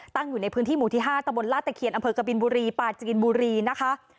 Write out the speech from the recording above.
อยู่ในพื้นที่หมู่ที่๕ตะบนลาตะเคียนอำเภอกบินบุรีปาจินบุรีนะคะ